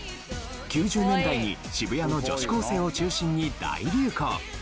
９０年代に渋谷の女子高生を中心に大流行！